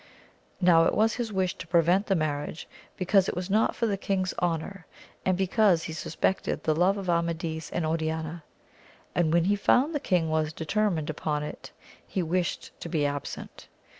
Now it was his wish to prevent the marriage, because it was not for the king's honour, and because he suspected the love of Amadis and Oriana ; and when he found the king was determined upon it, he wished to be absent.